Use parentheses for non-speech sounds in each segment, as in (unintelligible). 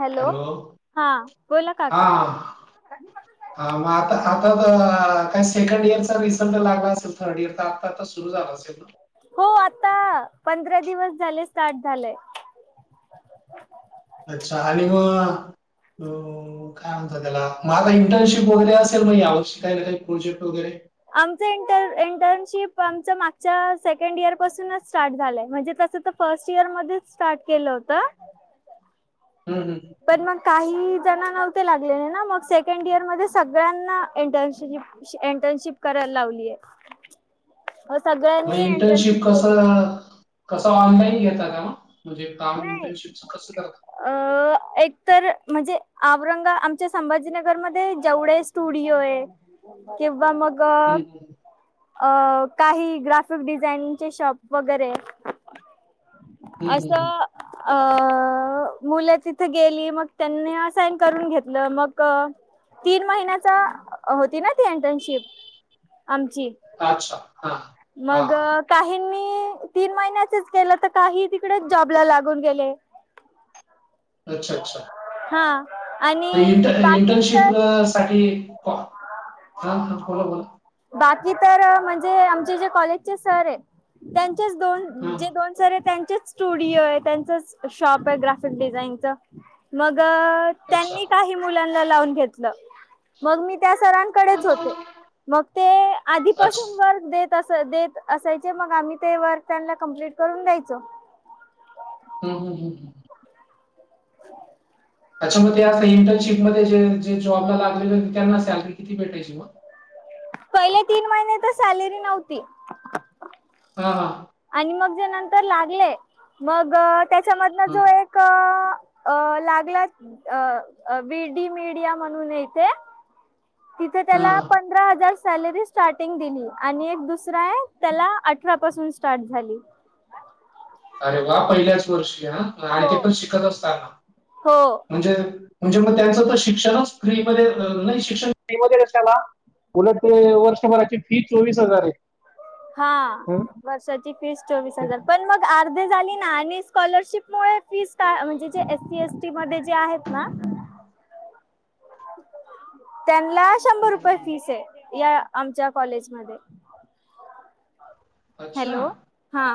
Hello. हा. बोला हा काका. हा. मग आता. आता तर सेकंड इयरचा रिझल्ट लागला असेल थर्ड इयरचा. आता सुरु झालं असेल ना? हो आत्ता पंधरा दिवस झाले स्टार्ट झालंय. अच्छा आणि म ह (unintelligible) हो. काय म्हणता त्याला? मला का इंटर्नशिप वगैरे असेल मग यावर्षी काय काही प्रोजेक्ट वगैरे? आमचं इंटर्नशिप, आमचं मागच्या सेकंड इयर पासूनच स्टार्ट झालंय. म्हणजे तसं तर - फर्स्ट इयरमध्येच स्टार्ट केलं होत. हं. हं. तर मग काही जण नव्हते लागलेले ना? मग सेकंड इयर मध्ये सगळ्यांना इंटर्नशिप. एंटर्नशिप करायला लावलीए. मग सगळ्यांनी एंटर्नशिप इंटर्नशिप केली. कसं कसं ऑनलाईन घेता का? म्हणजे काम नाही इंटर्नशिपच कसं करतात? अ. एकतर म्हणजे औरंगा आमच्या संभाजीनगरमध्ये जेवढे स्टुडिओ आहे. किंवा मग- हम्म, हम्म, अ काही ग्राफिक डिझाईनचे शॉप वगैरे. हम्म, हम्म, हम्म. असं अ- मुलं तिथे गेली. मग त्यांनी असाईन करून घेतलं मग- तीन महिन्याचा, होती ना ती इंटर्नशिप? आमची. अच्छा. हा. हा मग हा. काहींनी तीन महिन्याचच केलं. तर काही तिकडेच जॉबला लागून गेले. अच्छा अच्छा. हां. इंट इंटर्नशिप साठी कॉ- हा. बोला बोला. बाकी तर म्हणजे आमचे जे कॉलेजचे सर आहे त्यांचेच दोन हा जे हा. दोन सर त्यांच्याच स्टुडिओ आहे. त्यांचच शॉप आहे ग्राफिक डिझाइनच. मग- अच्छा त्यांनी काही मुलांना लावून घेतलं. मग मी त्या सरांकडेच होते. मग ते अच्छा आधीपासून वर्क देत- तस देत असायचे. मग आम्ही ते वर्क त्यांना कम्प्लीट करून द्यायचो. हम हम हम. (unintelligible) अच्छा. म त्या इंटर्नशिपमध्ये जे जे जॉबला लागलेले त्यांना सॅलरी किती भेटायची मग? पहिले तीन महिने तर सॅलरी नव्हती. हा हा. आणि मग जे नंतर लागले. मग त्याच्यामधनं हां, जो एक- अ लागला. अ -बी डी मीडिया म्हणूनए इथे- तिथे हां, त्याला हां. पंधरा हजार सॅलरी- स्टार्टिंग दिली. आणि एक दुसरा आहे त्याला अठरा पासून स्टार्ट झाली. अरे वा! पहिल्याच वर्षी ह. आणि हो. ते पण शिकत असताना. हो म्हणजे म्हणजे मग त्याचं तर शिक्षणच फ्रीमध्ये नाही शिक्षण फ्रीमध्ये कशाला? उलट ते वर्षभराची फी चोवीस हजार आहे. हा हं. वर्षाची फीस चोवीस अ, हजार पण मग अर्धे झाली ना आणि स्कॉलरशिप मु फीस का म्हणजे जे एस सी एस- मध्ये जे आहेत ना. ह. त्यांना हं, हं, शंभर रुपये हं. फीस आहे या आमच्या कॉलेजमध्येध्ये अच्छा. हॅलो हा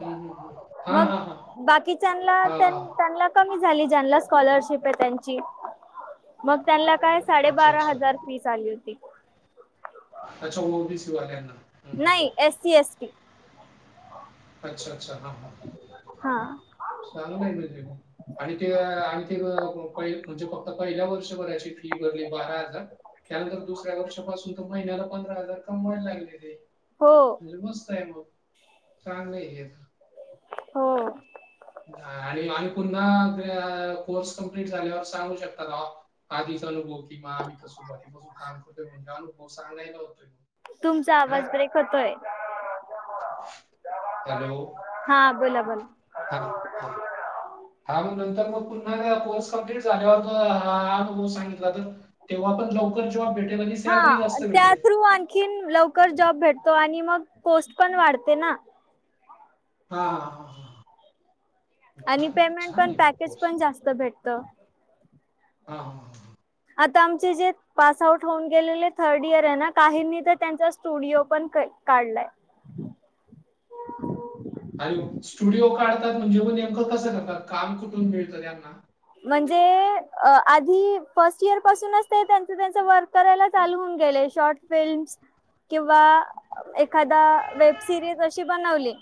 हं, हं, हं. हां, मग हां, हां. बाकीच्या हां. त्यांना कमी झाली ज्यांना स्कॉलरशिप आहे त्याची.. अच्छा, साडेबारा अच्छा. हजार फीस आली होती. अच्छा ओबीसी वाल्या्यांना नाही एस सी एस टी अच्छा अच्ा हा हा. हा. चांगलं म्हजे ग. आणि ते आणि ते म्हणजे फक्त पहिल्या वर्षभराची फी भरली बारा हजार त्यानंतर दुसऱ्या वर्षपासून तर महिन्याला पंधरा हजार कमवायला लागले ते हो. बस्त आहे म चांगलं येत. हो. आणि आ्ही पुन्हा कोर्स कंप्लीट झाल्यावर सांगू शकता. आधीचा अनुभव कि म आम्ही कसो ब बसून काम करतोय म्हणजे अनुभव सांगायला होतोय. तुमचा है ना. आवाज ब्रेक होतोय. हॅलो. हा बोला बोला. हा. हा. हा मग नंतर मग पुन्हा कोर्स कमप्लीट झाल्यावर हा अनुभव सांगितला तर तेव्हा पण लवकर जॉब भेटेल आणि सॅलरी जास्त भेटेल. आण लवकर जॉब भेटतो आणि मग पोस्ट पण वाढते ना हा हा हा हा आणि फार पेमेंट छान पण आहे पॅकेज कोर्स पण जास्त भेटत. हा हा ह आता आमचे जे पास आउट होऊन गेलेले थर्ड इयर आहे ना काहींनी तर त्यांचा स्टुडिओ पण काढलाय. अर स्टुडिओ काढतात म्हणजे व नेमकं कसं करतात काम कुठून मिळतं यांना म्हणजे आधी फर्स्ट इयर पासूनच ते त्यांच त्यांच वर्क करायला चालू होऊन गेले शॉर्ट फिल्म्स किंवा एखादा वेब सिरीज अशी बनवली.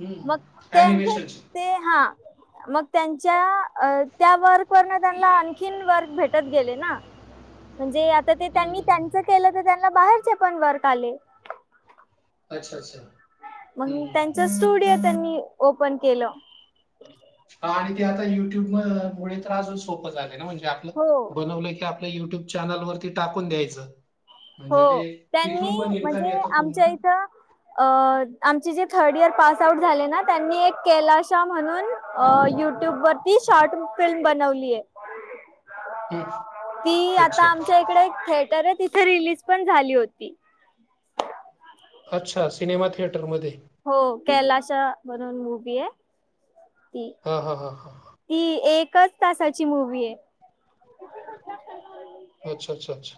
हम्म मग त्यांच अॅनिमेशनचे ते हा मग त्यां त्या वर्क वन त्यांना आणखीन वर्क भेटत गेले ना, म्हणजे आता ते हम्म हम्म, त्यांनी त्यांच हम्म. केलं तर त्यांना बाहेरचे पण वर्क आले. अच्छा अच्छा हम् मग ह् त्यांच स्टुडिओ त्यांनी ओपन केलं. ह आणि ते आता युट्यूब मुळ त्रास सोपं झालेय ना म्हणजे आपलं हो बनवलं की. आपल्या युट्यूब चॅनलवरती टाकून द्यायचं. हो म्हणजे ते तिथून त्यांनी पण इन्कम म्हणजे येतं पुन्हा आमच्या ना इथं अ आमचे जे थर्ड इयर पास आउट झाले ना त्यांनी एक कैलाश म्हणून अ युट्यूब वरती शॉर्ट फिल्म बनवलीय. (inaudible) हम्म, ती अच्छा आता आमच्या इकडे एक थिएटर आहे तिथे रिलीज पण झाली होती. अच्छा सिनेमा थिएटरमध्ये. हो कैलाश म्हणून मूवी आहे. ती. हां हां हां हां. ती एकच तासाची मूवी आहे. अच्छा, अच्छा, अच्छा.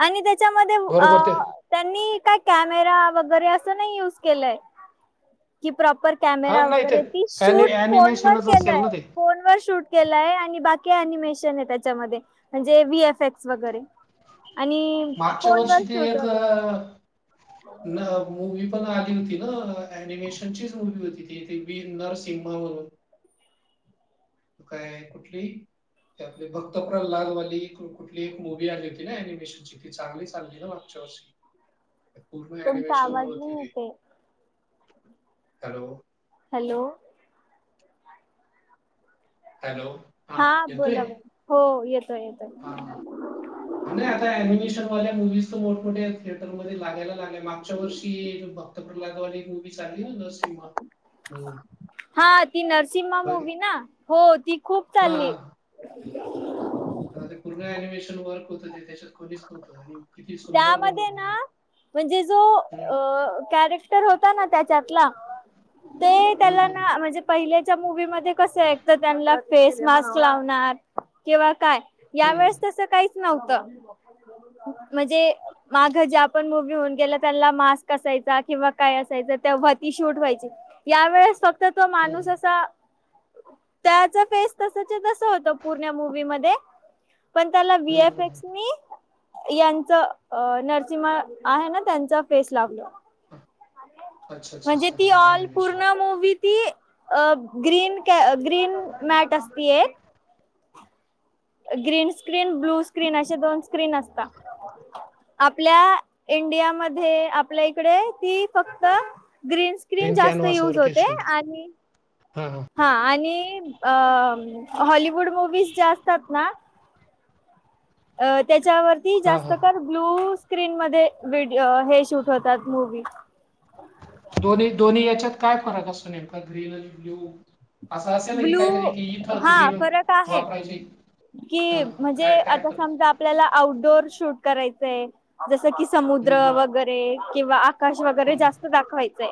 आणि त्याच्यामध्ये अ.. बरोबर ते त्यांनी काय कॅमेरा वगैरे असं नाही युज केलंय कि प्रॉपर हा कॅमेरा नाही ते वगैरे ती ॲनि शूट फोन वर ॲनिमेशनच असेल केलंय ना ते फोन वर शूट केलाय आणि बाकी अनिमेशन आहे त्याच्यामध्ये म्हणजे वि एफ एक्स वगैरे आणि मागच्या वर्षी फोनवर ते शूट एक वगैरे मूवीही पण आली होती ना ऍनीमेशनचीच मुवी होती ति बी नरसिंहावरून ते काय कुठली? आपले भक्त प्रल्हादवाली कुठली एक मुवी आणली होती ना एनिमेशन किती चांगली चालली ना मागच्या वर्षी? पूर्ण तुमचा ॲनिमेशन वर आवाज होती नाही ती येत आहे. हॅलो. हॅलो. हॅलो. हा बोला ब हो येतोय, हा येतोय. नाही आता निमेशनवाल्या मुवीस तर मोठमोठ्या थिएटरमध्ये लागायला लागल्या मागच्या वर्षी भक्त प्रल्हादवाली मूवी चालली हो नरसिंह हा ती नरसिंहा बघित मुवी ना हो ती खूप हा हा चालली. हा, (inaudible) ते पूर्ण अनिमेशन वर्क होतं ते त्याच्यात खोलीच नव्हतं आणि किती सुंदर त्यामध्ये ना बाणवलेली. म्हणजे जो अ कॅरेक्टर होता ना त्याच्यातला ते त्यांला हम्म हम्म ना म्हणजे पहिल्याच्या मूवी मध्ये कस आहे एक तर त्यांना फेस मास्क लावणार किंवा काय या हम्म वेळेस तस काहीच नव्हतं म्हणजे माग जे आपण मूवी होऊन गेल त्यांना मास्क असायचा किंवा काय असायच ते तेव्हा ती शूट व्हायची. या वेळेस फक्त तो हम्म माणूस हम्म असा त्याचा फेस तसच्या तस होत पूर्ण मूवी मध्ये. पण त्याला वि, एफ, हम्म एक्स हम्म नी नरसिंहा आहे ना त्यांचा फेस लागल. अच्छा अच्छा म्हणजे अच्छा ती हा ऑल ॲनिमेशन पूर्ण मवी ती अ ग्रीन क ग्रीन मॅट असती एक ग्रीन स्क्रीन, ब्लू स्क्रीन अशे दोन स्क्रीन असतात. आपल्या इंडियामध्ये आपल्या इकडे ती फक्त ग्रीन्स स्क्रीन ग्रीन जास्त युज होते आणि ह ह. हा आणि हॉलिवूड मुवीज ज्या असतात ना अ त्याच्यावरती हा जास्त हा कर ब्लू स्क्रीन मध्ये वड हे शूट होतात मूवी. दोन्ही, दोन्ही याच्यात काय फरक असतो नेमका ग्रीन आणि ब्लू? असं असेल ना ब्लू काहीतरी की इथक हा ग्रीन फरक आहे वापरायची. हा कि हा. म्हणजे काय काय आता फरक समजा आपल्याला आउटडोर शूट करायचंय जसं की हम्म, समुद्र हम्म, वगैरे किंवा आकाश वगैरे हम्म, हम्म. जास्त दाखवायचय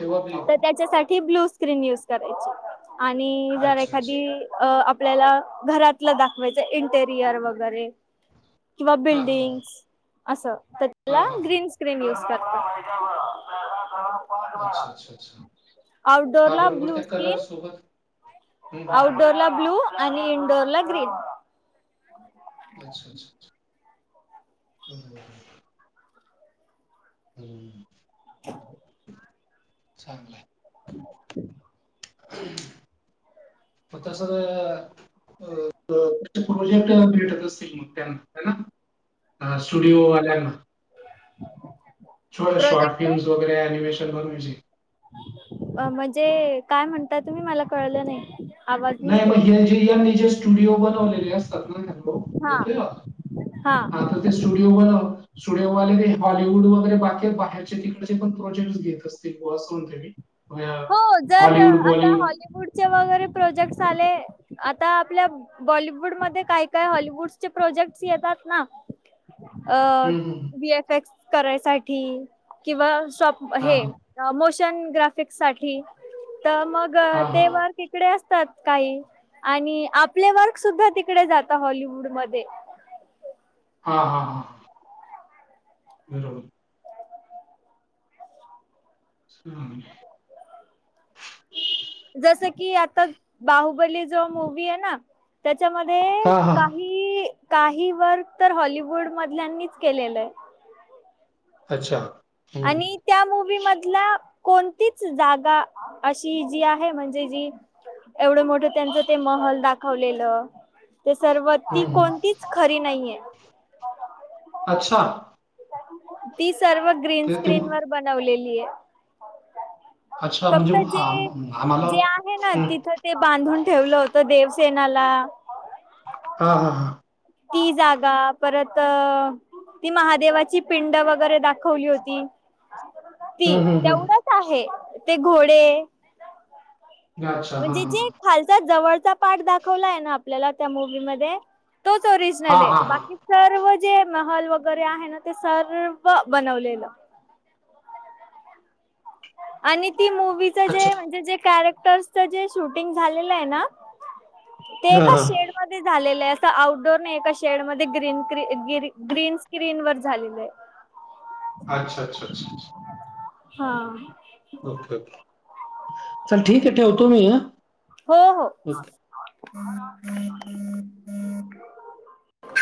तेव्हा ब्ल्यू तर त्याच्यासाठी ब्लू स्क्रीन यूज करायचं आणि जर अच्छा अच्छा एखादी अ आपल्याला घरातलं दाखवायचं इंटेरियर वगैरे किंवा हा हा बिल्डिंग अस हा त्याला हा हा हा ग्रीन स् ्रीन यूस करत अच्छा अच्छा अच्छा हा आउटडोअरला बरोबर त्या कलर सोबत हम्म हम्म हम्म. आऊटडोअर ला ब्ल्यू आणि इनडोअर ला ग्रीन अच्छा अच्छा अच्छा हम्म (inaudible) चांगलंय ह होता सर अ त्या प्रोजेक्ट भेटत असतील मग त्यांना हा ना ह स्टुडिओ वाल्यांना छ शॉर्ट प्रोजेक्टर फिल्म्स वगैरे अनिमेशन वर अ म्हणजे काय म्हणता तुम्ही मला कळलं नाही आवाज नाही मग येत हेलजियनी जे स्टुडिओ बनवलेले असतात ना हॅो हा येतोय हा स्टुडिओ बनव स्टुडिओवाले ते हॉलिवूड वगैरे बाकी बाहेरचे तिकडचे पण प्रोजेक्ट्स घेत असतील गवा असं म्हणते मी हो जर हॉलीवुड आता बॉलीवुड हॉलिवूडचे वगैरे प्रोजेक्ट आले आता आपल्या बॉलिवूडमध्ये काय काय हॉलिवूडचे प्रोजेक्ट्स येतात ना अ हम्म हम्म बीएफ एक्स करायसाठी किंवा शॉप हे हम्म. मोशन ग्राफिक्स साठी तर मग हा हा तेवहा हा तिकडे असतात काही आणि आपले वर्क सुद्धा तिकडे जातात हॉलिवूड मध्ये हा हा हा बरोबर ह जस की आता बाहुबली जो मुवी आहे ना त्याच्यामध्ये हा हा काही काही वर्क तर हॉलिवूड मधल्यांनीच केलेलंय अच्छा हं, हं, आणि त्या मुवी मधला कोणतीच जागा अशी जी आहे म्हणजे जी एवढं मोठं त्यांचं ते महल दाखवलेलं ते सर्व ती हं, हं. कोणतीच खरी नाहीये अच्छा ती सर्व ग्रीन ते ते स्क्रीन वर बनवलेली हे अच्छा म्हणजे फक्त जे आम आम्हाला जे आहे ना हं. तिथ ते बांधून ठेवलं होतं देवसेनाला हा हा हा ती जागा परत अ ती महादेवाची पिंड वगैरे दाखवली होती. ती हं, हं, हं. तेवढंच आहे ते घोडे अच्छा. हां, म्हणजे जे हां. खालचा जवळचा पाठ दाखवलाय ना आपल्याला त्या मुवीमध्ये तोच ओरिजनल हां, ये हां, हां. बाकी सर्व जे महल वगैरे आहे ना ते सर्व बनवलेलं आणि ती मूवीचा जे अच्छा. म्हणजे जे कॅरेक्टरच जे शूटिंग झालेलं आहे ना ते हां, एका हां. शेड मध्ये झालेलं आहे असं आउटडोर नाही एका शेड मध्ये गन ग्रीन स्क्रीन वर झालेलं आहे अच्छा अच्छा अच्छा अच्छा. हा आ. ओके ओके चल ठीक आहे ठेवतो मी ह. हो हो.